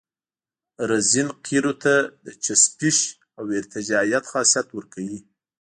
رزین قیرو ته د چسپش او ارتجاعیت خاصیت ورکوي